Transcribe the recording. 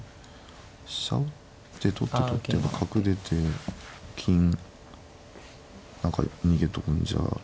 飛車打って取って取って角出て金何か逃げとくんじゃ。